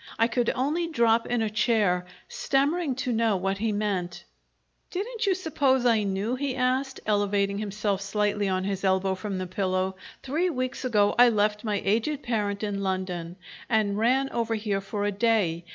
I could only drop in a chair, stammering to know what he meant. "Didn't you suppose I knew?" he asked, elevating himself slightly on his elbow from the pillow. "Three weeks ago I left my aged parent in London and ran over here for a day.